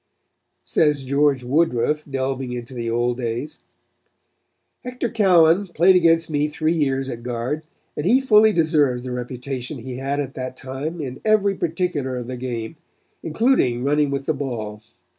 Says George Woodruff, delving into the old days: "Hector Cowan played against me three years at guard, and he fully deserves the reputation he had at that time in every particular of the game, including running with the ball.